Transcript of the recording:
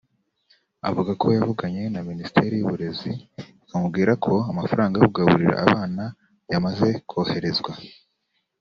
Avuga ko yavuganye na Minisiteri y’Uburezi ikamubwira ko amafaranga yo kugaburira abana yamaze koherezwa